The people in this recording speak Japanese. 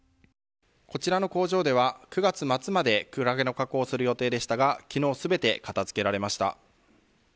こちらの工場では９月末までクラゲの加工をする予定でしたが昨日、全て片付けられました。